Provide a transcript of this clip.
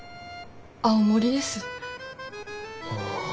青森です。